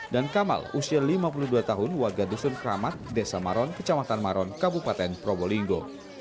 dan kamal usia lima puluh dua tahun warga dusun kramat desa maron kecamatan maron kabupaten probolinggo